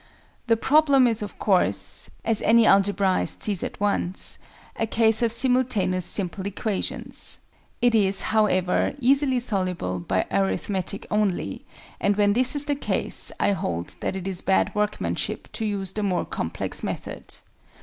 The problem is of course (as any Algebraist sees at once) a case of "simultaneous simple equations." It is, however, easily soluble by Arithmetic only; and, when this is the case, I hold that it is bad workmanship to use the more complex method.